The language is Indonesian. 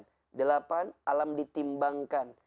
yang delapan alam ditimbangkan